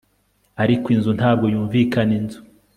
Ariko inzu ntabwo yunvikana inzu